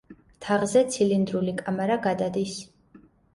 თაღზე ცილინდრული კამარა გადადის.